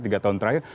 tiga tahun terakhir